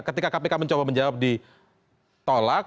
ketika kpk mencoba menjawab ditolak